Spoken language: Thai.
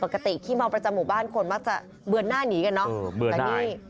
ปกติขี้เมาประจำหมู่บ้านคนมักจะเบือนหน้านีกันเนอะเออเบือนได้